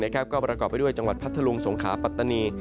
ก็ประกอบไปด้วยจังหวัดพัทธลุงสงขาปัตตานี